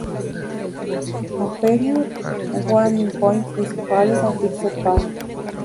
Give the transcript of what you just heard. A period-one point is called a fixed point.